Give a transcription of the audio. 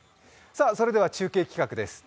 それでは中継企画です。